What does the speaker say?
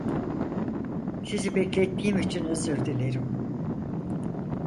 Sizi beklettiğim için özür dilerim.